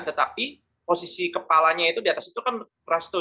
tetapi posisi kepalanya itu di atas itu kan sadrasto